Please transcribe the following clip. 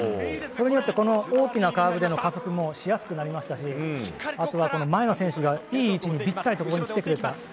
それによってこの大きなカーブでの加速もしやすくなりましたしあとは、前の選手がいい位置にびったりと来てくれた。